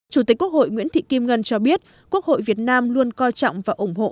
chủ tịch quốc hội nguyễn thị kim ngân cho biết quốc hội việt nam luôn coi trọng và ủng hộ